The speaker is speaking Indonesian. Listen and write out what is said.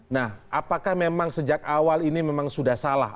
nah apakah memang sejak awal ini memang sudah salah